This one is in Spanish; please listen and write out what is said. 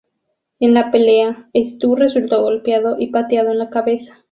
En la pelea, Stu resultó golpeado y pateado en la cabeza.